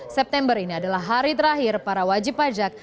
september ini adalah hari terakhir para wajib pajak